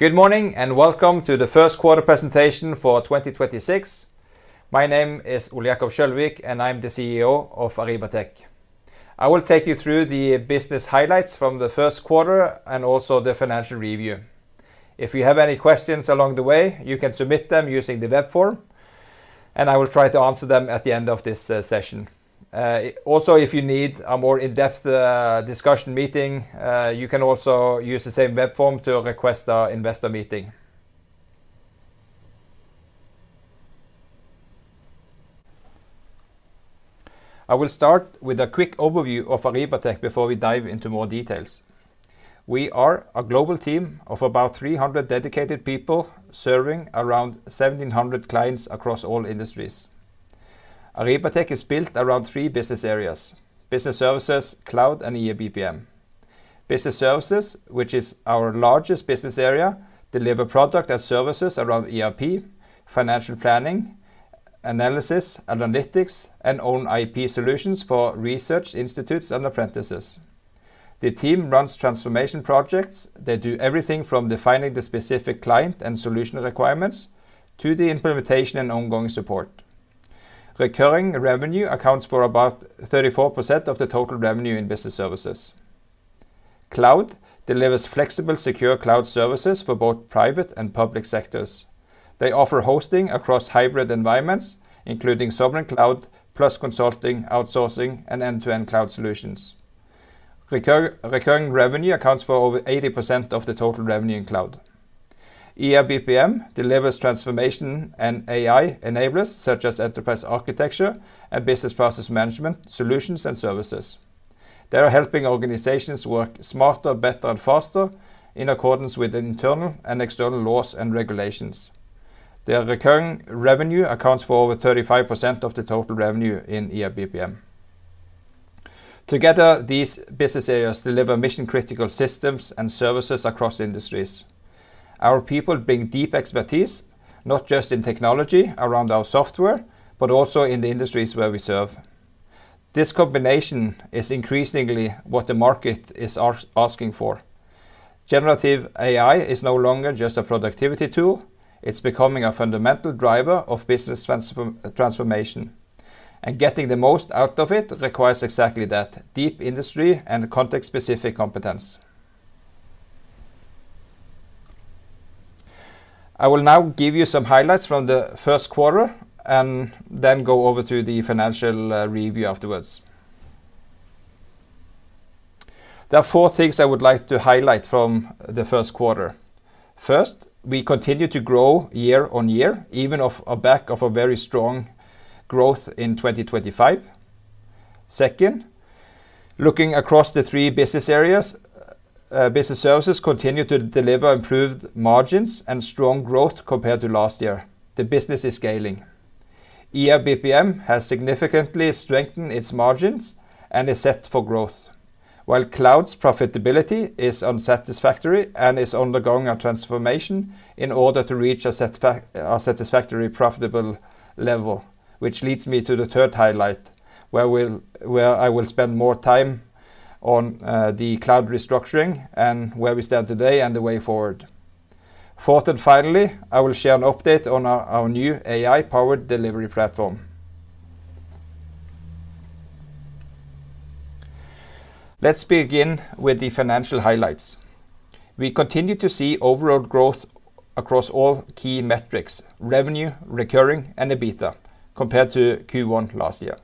Good morning and welcome to the first quarter presentation for 2026. My name is Ole Jakob Kjølvik, and I'm the CEO of Arribatec. I will take you through the business highlights from the first quarter and also the financial review. If you have any questions along the way, you can submit them using the web form, and I will try to answer them at the end of this session. Also, if you need a more in-depth discussion meeting, you can also use the same web form to request an investor meeting. I will start with a quick overview of Arribatec before we dive into more details. We are a global team of about 300 dedicated people serving around 1,700 clients across all industries. Arribatec is built around three business areas: Business Services, Cloud, and EA & BPM. Business Services, which is our largest business area, delivers product and services around ERP, financial planning, analysis, analytics, and own IP solutions for research institutes and enterprises. The team runs transformation projects; they do everything from defining the specific client and solution requirements to the implementation and ongoing support. Recurring revenue accounts for about 34% of the total revenue in Business Services. Cloud delivers flexible, secure cloud services for both private and public sectors. They offer hosting across hybrid environments, including sovereign cloud plus consulting, outsourcing, and end-to-end cloud solutions. Recurring revenue accounts for over 80% of the total revenue in Cloud. EA & BPM delivers transformation and AI enablers such as enterprise architecture and business process management solutions and services. They are helping organizations work smarter, better, and faster in accordance with internal and external laws and regulations. Their recurring revenue accounts for over 35% of the total revenue in EA & BPM. Together, these business areas deliver mission-critical systems and services across industries. Our people bring deep expertise not just in technology around our software but also in the industries where we serve. This combination is increasingly what the market is asking for. Generative AI is no longer just a productivity tool; it's becoming a fundamental driver of business transformation. Getting the most out of it requires exactly that: deep industry and context-specific competence. I will now give you some highlights from the first quarter and then go over to the financial review afterwards. There are four things I would like to highlight from the first quarter. First, we continue to grow year-on-year, even off a back of a very strong growth in 2025. Second, looking across the three business areas, Business Services continue to deliver improved margins and strong growth compared to last year. The business is scaling. EA & BPM has significantly strengthened its margins and is set for growth, while Cloud's profitability is unsatisfactory and is undergoing a transformation in order to reach a satisfactory profitable level. Which leads me to the third highlight, where I will spend more time on the cloud restructuring and where we stand today and the way forward. Fourth and finally, I will share an update on our new AI-powered delivery platform. Let's begin with the financial highlights. We continue to see overall growth across all key metrics: revenue, recurring, and EBITDA compared to Q1 last year.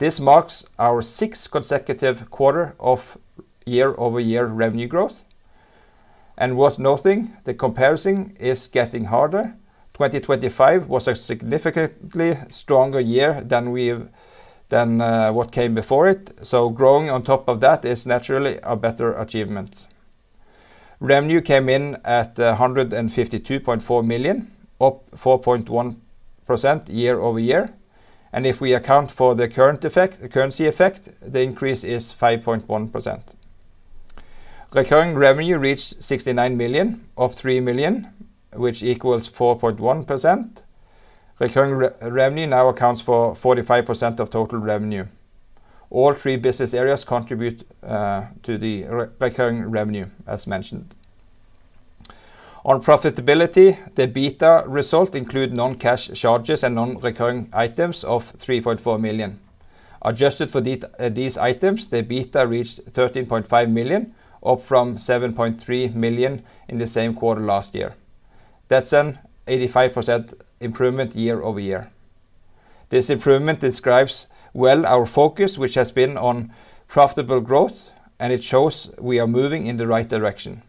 This marks our sixth consecutive quarter of year-over-year revenue growth. Worth noting, the comparison is getting harder. 2025 was a significantly stronger year than what came before it, so growing on top of that is naturally a better achievement. Revenue came in at 152.4 million, up 4.1% year-over-year. If we account for the currency effect, the increase is 5.1%. Recurring revenue reached 69 million, up 3 million, which equals 4.1%. Recurring revenue now accounts for 45% of total revenue. All three business areas contribute to the recurring revenue, as mentioned. On profitability, the EBITDA result includes non-cash charges and non-recurring items of 3.4 million. Adjusted for these items, the EBITDA reached 13.5 million, up from 7.3 million in the same quarter last year. That's an 85% improvement year-over-year. This improvement describes well our focus, which has been on profitable growth, and it shows we are moving in the right direction.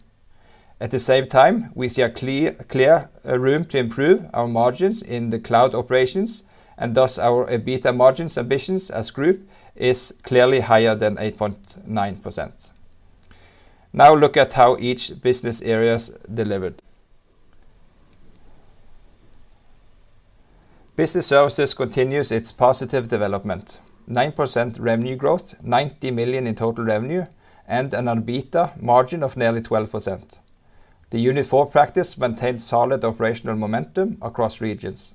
At the same time, we see a clear room to improve our margins in the Cloud operations, and thus our EBITDA margins ambitions as a group are clearly higher than 8.9%. Now look at how each business area delivered. Business Services continues its positive development: 9% revenue growth, 90 million in total revenue, and an EBITDA margin of nearly 12%. The Unit4 practice maintains solid operational momentum across regions.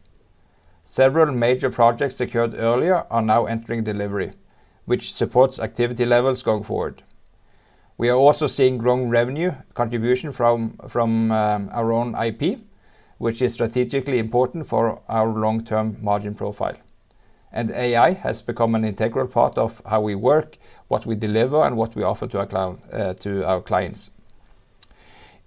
Several major projects secured earlier are now entering delivery, which supports activity levels going forward. We are also seeing growing revenue contribution from our own IP, which is strategically important for our long-term margin profile. AI has become an integral part of how we work, what we deliver, and what we offer to our clients.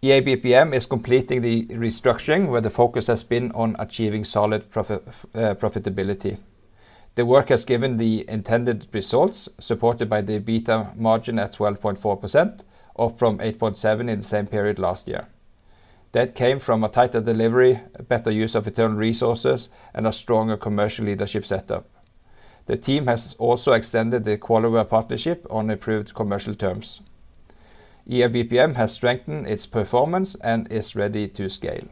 EA & BPM is completing the restructuring, where the focus has been on achieving solid profitability. The work has given the intended results, supported by the EBITDA margin at 12.4%, up from 8.7% in the same period last year. That came from a tighter delivery, better use of internal resources, and a stronger commercial leadership setup. The team has also extended the QualiWare partnership on approved commercial terms. EA & BPM has strengthened its performance and is ready to scale.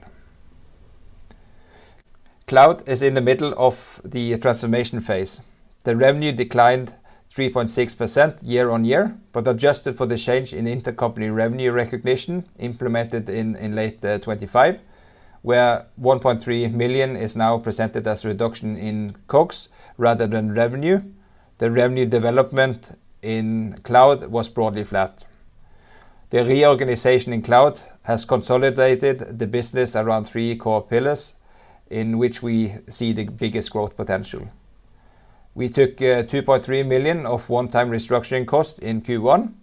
Cloud is in the middle of the transformation phase. The revenue declined 3.6% year-on-year but adjusted for the change in intercompany revenue recognition implemented in late 2025, where 1.3 million is now presented as a reduction in COGS rather than revenue. The revenue development in Cloud was broadly flat. The reorganization in Cloud has consolidated the business around three core pillars in which we see the biggest growth potential. We took 2.3 million of one-time restructuring costs in Q1,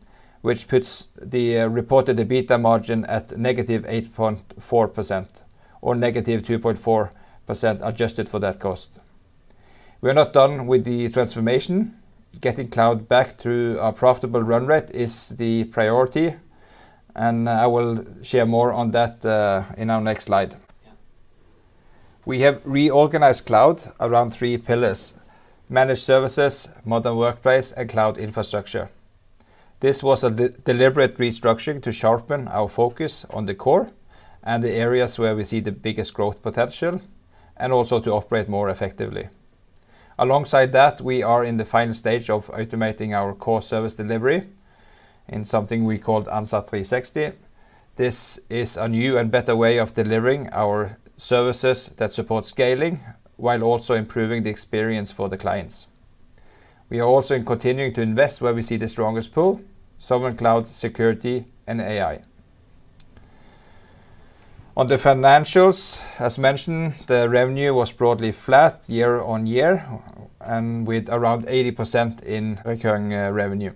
which puts the reported EBITDA margin at -8.4% or -2.4% adjusted for that cost. We are not done with the transformation. Getting Cloud back to our profitable run rate is the priority, and I will share more on that in our next slide. We have reorganized Cloud around three pillars: managed services, modern workplace, and cloud infrastructure. This was a deliberate restructuring to sharpen our focus on the core and the areas where we see the biggest growth potential and also to operate more effectively. Alongside that, we are in the final stage of automating our core service delivery in something we call ANSA 360. This is a new and better way of delivering our services that support scaling while also improving the experience for the clients. We are also continuing to invest where we see the strongest pull: sovereign cloud, security, and AI. On the financials, as mentioned, the revenue was broadly flat year-on-year and with around 80% in recurring revenue.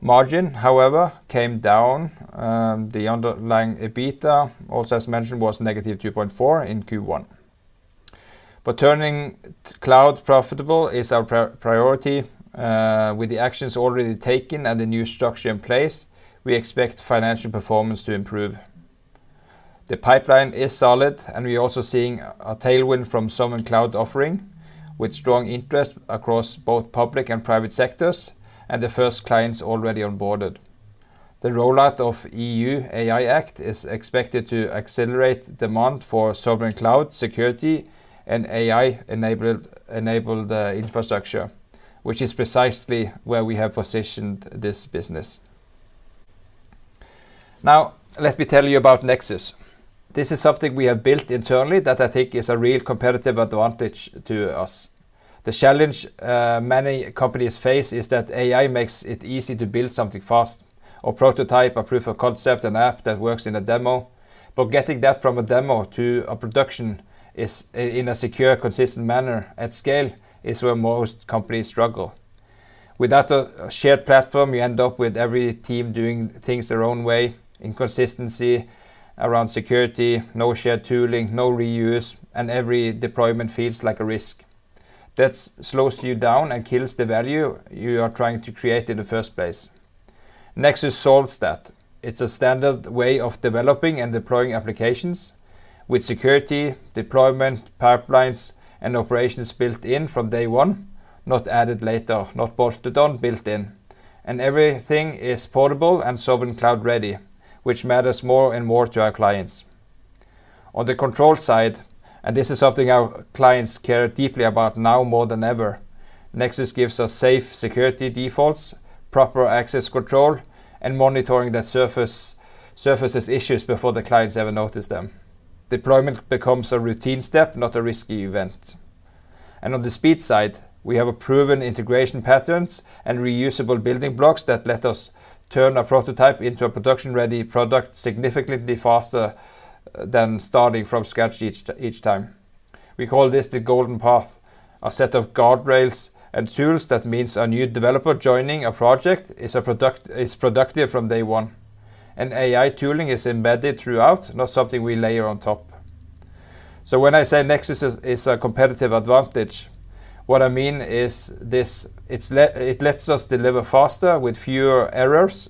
Margin, however, came down. The underlying EBITDA, also as mentioned, was -2.4% in Q1. Turning cloud profitable is our priority. With the actions already taken and the new structure in place, we expect financial performance to improve. The pipeline is solid, and we are also seeing a tailwind from sovereign cloud offering with strong interest across both public and private sectors and the first clients already onboarded. The rollout of the EU AI Act is expected to accelerate demand for sovereign cloud, security, and AI-enabled infrastructure, which is precisely where we have positioned this business. Now, let me tell you about Nexus. This is something we have built internally that I think is a real competitive advantage to us. The challenge many companies face is that AI makes it easy to build something fast: a prototype, a proof of concept, an app that works in a demo. Getting that from a demo to a production in a secure, consistent manner at scale is where most companies struggle. Without a shared platform, you end up with every team doing things their own way, inconsistency around security, no shared tooling, no reuse, and every deployment feels like a risk. That slows you down and kills the value you are trying to create in the first place. Nexus solves that. It's a standard way of developing and deploying applications with security, deployment pipelines, and operations built in from day one, not added later, not bolted on, built in. Everything is portable and sovereign cloud ready, which matters more and more to our clients. On the control side, this is something our clients care deeply about now more than ever, Nexus gives us safe security defaults, proper access control, and monitoring that surfaces issues before the clients ever notice them. Deployment becomes a routine step, not a risky event. On the speed side, we have proven integration patterns and reusable building blocks that let us turn a prototype into a production-ready product significantly faster than starting from scratch each time. We call this the golden path, a set of guardrails and tools that means a new developer joining a project is productive from day one, AI tooling is embedded throughout, not something we layer on top. When I say Nexus is a competitive advantage, what I mean is it lets us deliver faster with fewer errors,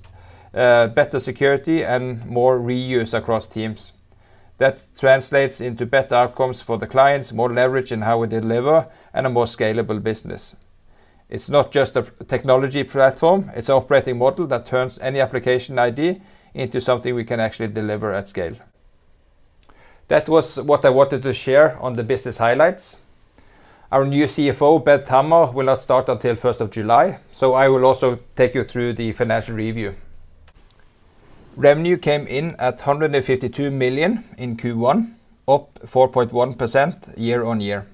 better security, and more reuse across teams. That translates into better outcomes for the clients, more leverage in how we deliver, and a more scalable business. It's not just a technology platform; it's an operating model that turns any application idea into something we can actually deliver at scale. That was what I wanted to share on the business highlights. Our new CFO, Bent Hammer, will not start until 1st of July. I will also take you through the financial review. Revenue came in at 152 million in Q1, up 4.1% year-on-year.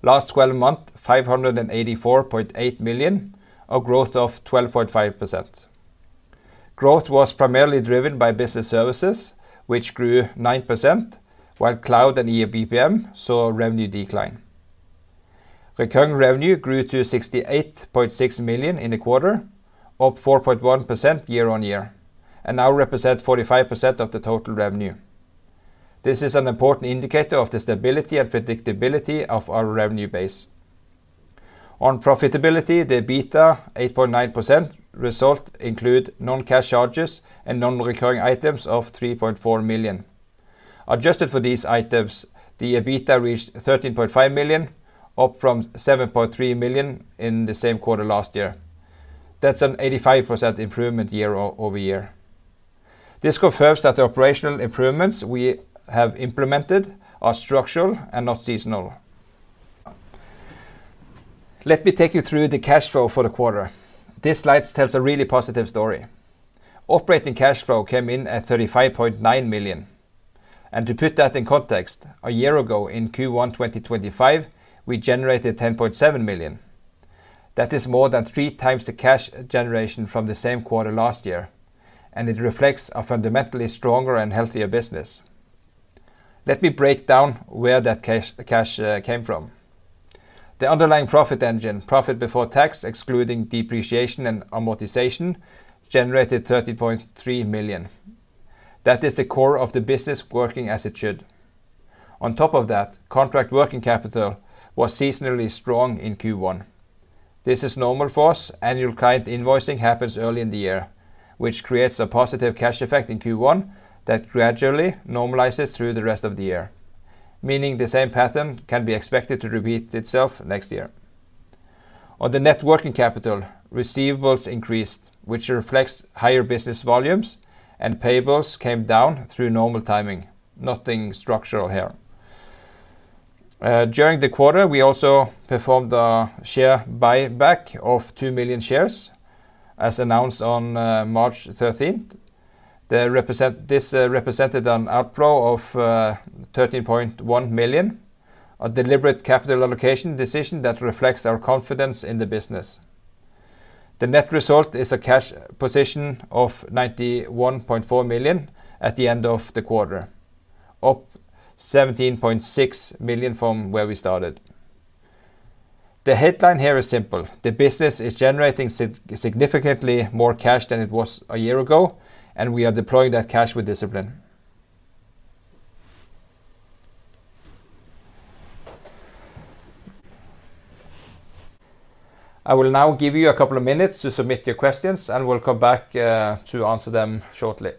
Last 12 months, 584.8 million, a growth of 12.5%. Growth was primarily driven by Business Services, which grew 9%, while Cloud and EA & BPM saw revenue decline. Recurring revenue grew to 68.6 million in the quarter, up 4.1% year-on-year, and now represents 45% of the total revenue. This is an important indicator of the stability and predictability of our revenue base. On profitability, the EBITDA 8.9% result includes non-cash charges and non-recurring items of 3.4 million. Adjusted for these items, the EBITDA reached 13.5 million, up from 7.3 million in the same quarter last year. That's an 85% improvement year-over-year. This confirms that the operational improvements we have implemented are structural and not seasonal. Let me take you through the cash flow for the quarter. This slide tells a really positive story. Operating cash flow came in at 35.9 million. To put that in context, a year ago in Q1 2025, we generated 10.7 million. That is more than 3x the cash generation from the same quarter last year. It reflects a fundamentally stronger and healthier business. Let me break down where that cash came from. The underlying profit engine, profit before tax excluding depreciation and amortization, generated 30.3 million. That is the core of the business working as it should. On top of that, contract working capital was seasonally strong in Q1. This is normal for us. Annual client invoicing happens early in the year, which creates a positive cash effect in Q1 that gradually normalizes through the rest of the year, meaning the same pattern can be expected to repeat itself next year. On the net working capital, receivables increased, which reflects higher business volumes. Payables came down through normal timing. Nothing structural here. During the quarter, we also performed a share buyback of 2 million shares, as announced on March 13th. This represented an outflow of 13.1 million, a deliberate capital allocation decision that reflects our confidence in the business. The net result is a cash position of 91.4 million at the end of the quarter, up 17.6 million from where we started. The headline here is simple: the business is generating significantly more cash than it was a year ago, and we are deploying that cash with discipline. I will now give you a couple of minutes to submit your questions, and we'll come back to answer them shortly.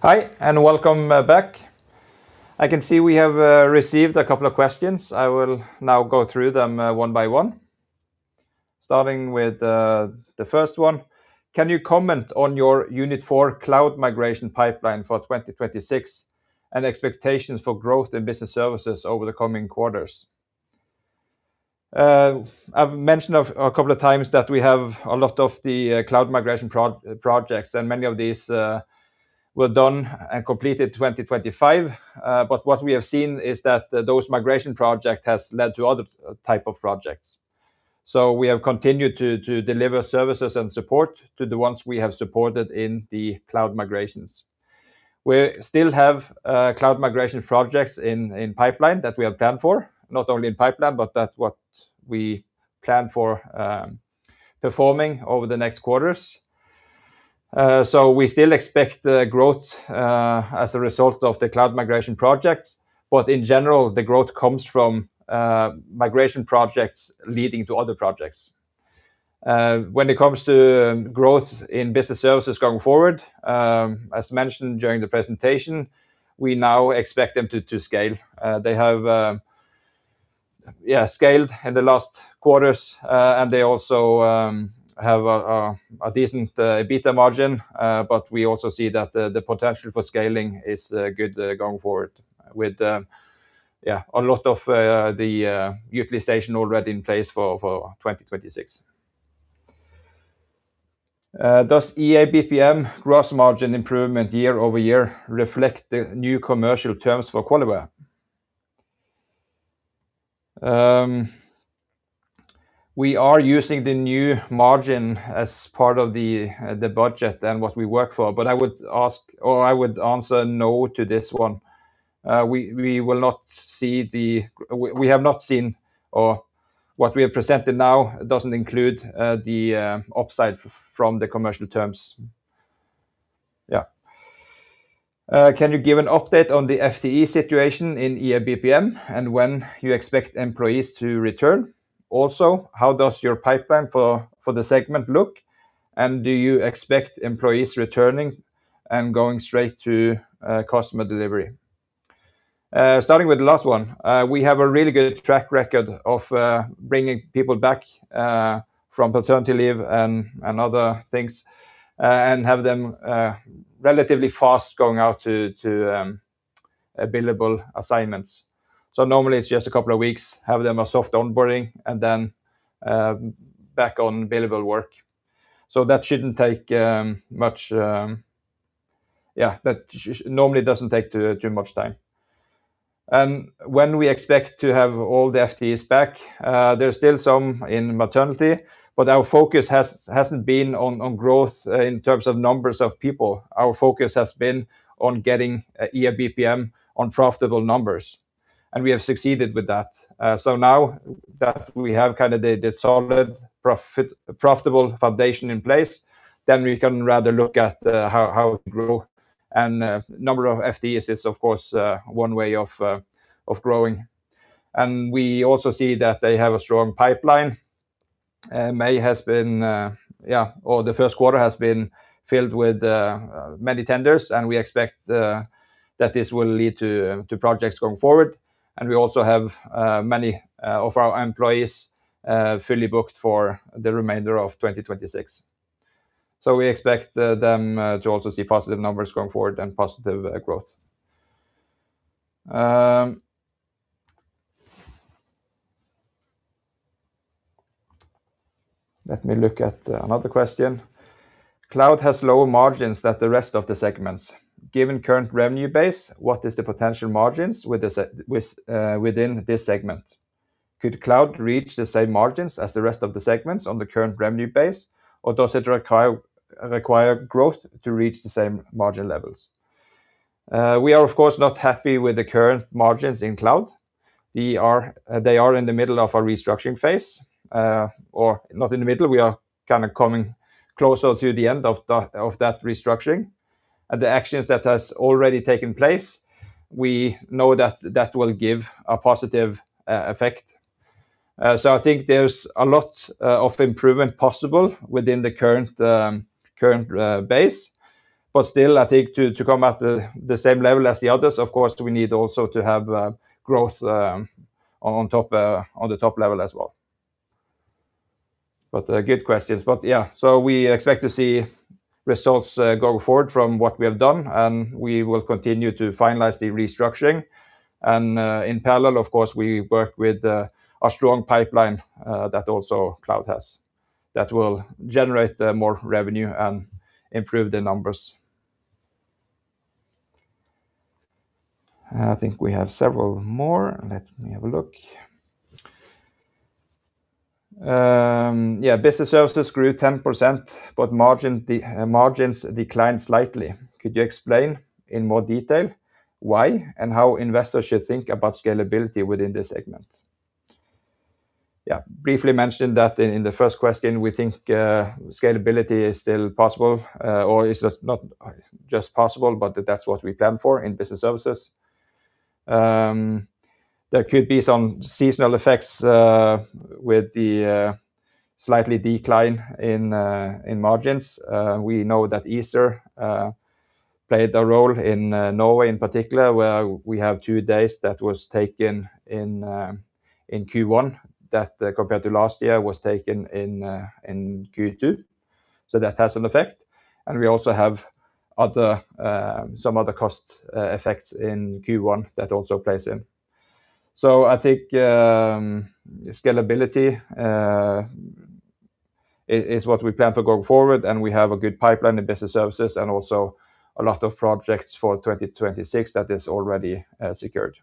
Hi and welcome back. I can see we have received a couple of questions. I will now go through them one by one. Starting with the first one: can you comment on your Unit4 cloud migration pipeline for 2026 and expectations for growth in Business Services over the coming quarters? I've mentioned a couple of times that we have a lot of the cloud migration projects. Many of these were done and completed in 2025. What we have seen is that those migration projects have led to other types of projects. We have continued to deliver services and support to the ones we have supported in the Cloud migrations. We still have cloud migration projects in pipeline that we have planned for, not only in pipeline but what we plan for performing over the next quarters. We still expect growth as a result of the Cloud migration projects, but in general, the growth comes from migration projects leading to other projects. When it comes to growth in Business Services going forward, as mentioned during the presentation, we now expect them to scale. They have scaled in the last quarters, and they also have a decent EBITDA margin. We also see that the potential for scaling is good going forward with a lot of the utilization already in place for 2026. Does EA & BPM gross margin improvement year-over-year reflect the new commercial terms for QualiWare? We are using the new margin as part of the budget and what we work for, but I would answer no to this one. We have not seen or what we have presented now doesn't include the upside from the commercial terms. Yeah. Can you give an update on the FTE situation in EA & BPM and when you expect employees to return? How does your pipeline for the segment look, and do you expect employees returning and going straight to customer delivery? Starting with the last one, we have a really good track record of bringing people back from paternity leave and other things and have them relatively fast going out to billable assignments. Normally, it's just a couple of weeks, have them a soft onboarding, and then back on billable work. That shouldn't take much, that normally doesn't take too much time. When we expect to have all the FTEs back, there's still some in maternity, but our focus hasn't been on growth in terms of numbers of people. Our focus has been on getting EA & BPM on profitable numbers, and we have succeeded with that. Now that we have kind of the solid profitable foundation in place, we can rather look at how it grew. Number of FTEs is, of course, one way of growing. We also see that they have a strong pipeline. May has been, or the first quarter has been filled with many tenders, and we expect that this will lead to projects going forward. We also have many of our employees fully booked for the remainder of 2026. We expect them to also see positive numbers going forward and positive growth. Let me look at another question. Cloud has lower margins than the rest of the segments. Given current revenue base, what is the potential margins within this segment? Could Cloud reach the same margins as the rest of the segments on the current revenue base, or does it require growth to reach the same margin levels? We are, of course, not happy with the current margins in Cloud. They are in the middle of a restructuring phase. Not in the middle, we are kind of coming closer to the end of that restructuring. The actions that have already taken place, we know that that will give a positive effect. I think there's a lot of improvement possible within the current base. Still, I think to come at the same level as the others, of course, we need also to have growth on the top level as well. Good questions. Yeah, we expect to see results going forward from what we have done, and we will continue to finalize the restructuring. In parallel, of course, we work with a strong pipeline that also Cloud has that will generate more revenue and improve the numbers. I think we have several more. Let me have a look. Yeah, Business Services grew 10%, but margins declined slightly. Could you explain in more detail why and how investors should think about scalability within this segment? Yeah, briefly mentioned that in the first question, we think scalability is still possible, or it's just not just possible, but that's what we plan for in Business Services. There could be some seasonal effects with the slightly decline in margins. We know that Easter played a role in Norway in particular, where we have two days that were taken in Q1 that, compared to last year, were taken in Q2. That has an effect. We also have some other cost effects in Q1 that also play in. I think scalability is what we plan for going forward, and we have a good pipeline in Business Services and also a lot of projects for 2026 that are already secured.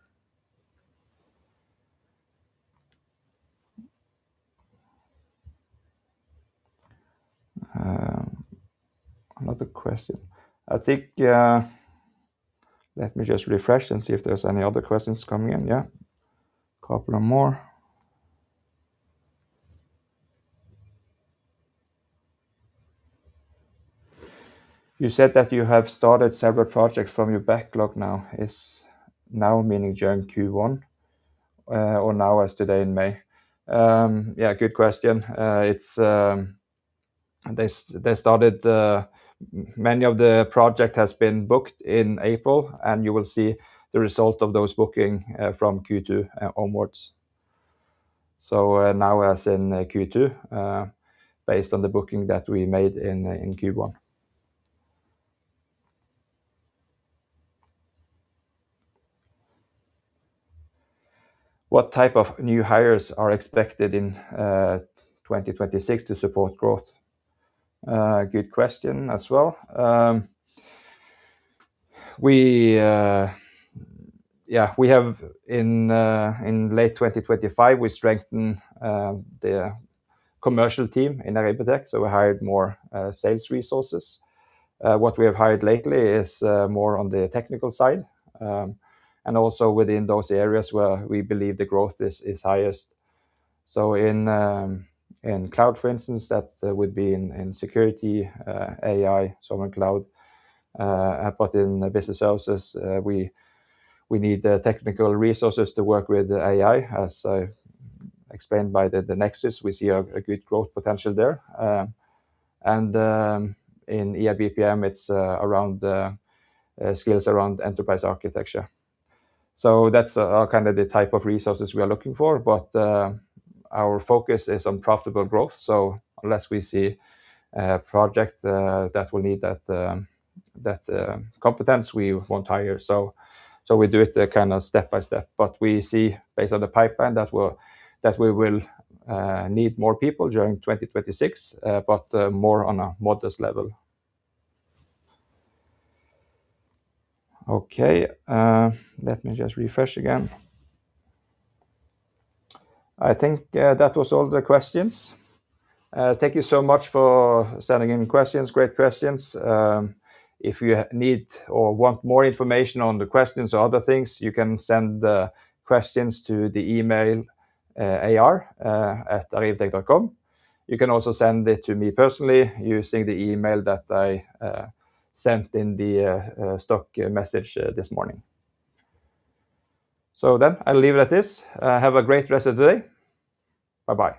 Another question. I think let me just refresh and see if there's any other questions coming in. A couple of more. You said that you have started several projects from your backlog now, meaning during Q1 or now as today in May. Good question. They started many of the projects have been booked in April, and you will see the result of those bookings from Q2 onwards. Now as in Q2 based on the booking that we made in Q1. What type of new hires are expected in 2026 to support growth? Good question as well. Yeah, in late 2025, we strengthened the commercial team in Arribatec. We hired more sales resources. What we have hired lately is more on the technical side and also within those areas where we believe the growth is highest. In Cloud, for instance, that would be in security, AI, some in Cloud. In Business Services, we need technical resources to work with AI. As I explained by the Nexus, we see a good growth potential there. In EA & BPM, it's around skills around enterprise architecture. That's kind of the type of resources we are looking for. Our focus is on profitable growth. Unless we see a project that will need that competence, we won't hire. We do it kind of step by step. We see, based on the pipeline, that we will need more people during 2026, but more on a modest level. Okay. Let me just refresh again. I think that was all the questions. Thank you so much for sending in questions. Great questions. If you need or want more information on the questions or other things, you can send questions to the email ir@arribatec.com. You can also send it to me personally using the email that I sent in the stock message this morning. I'll leave it at this. Have a great rest of the day. Bye-bye.